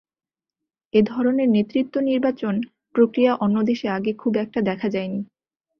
এ ধরনের নেতৃত্ব নির্বাচন প্রক্রিয়া অন্য দেশে আগে খুব একটা দেখা যায়নি।